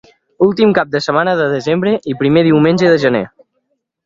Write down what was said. Últim cap de setmana de desembre i primer diumenge de gener.